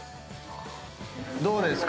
どうですか？